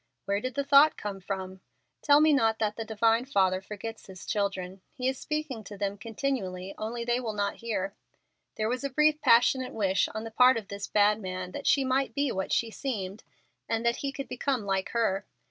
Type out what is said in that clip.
Where did the thought come from? Tell me not that the Divine Father forgets His children. He is speaking to them continually, only they will not hear. There was a brief passionate wish on the part of this bad man that she might be what she seemed and that he could become like her.